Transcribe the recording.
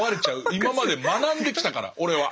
今まで学んできたから俺は。